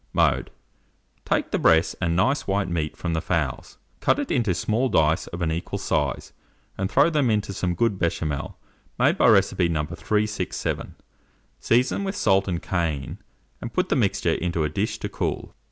Mode. Take the breasts and nice white meat from the fowls; cut it into small dice of an equal size, and throw them into some good Béchamel, made by recipe No. 367; season with salt and cayenne, and put the mixture into a dish to cool.